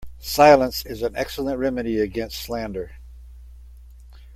Silence is an excellent remedy against slander.